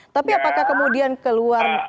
tapi apakah kemudian keluar